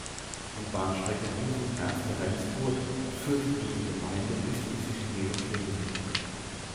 Die Bahnstrecke Husum–Erfde–Rendsburg führte durch die Gemeinde, ist inzwischen jedoch stillgelegt.